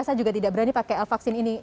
saya juga tidak berani pakai vaksin ini